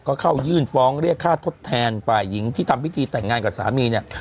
ก็เข้ายื่นฟ้องเรียกค่าทดแทนฝ่ายหญิงที่ทำพิธีแต่งงานกับสามีเนี่ย